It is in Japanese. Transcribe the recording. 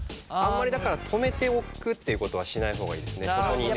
あんまりだから止めておくっていうことはしない方がいいですね。